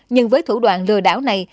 nhưng với thủ đoạn lừa đảo này